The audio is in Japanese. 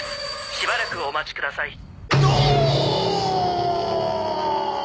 「しばらくお待ちください」ノオーッ！！